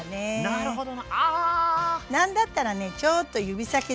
なるほど。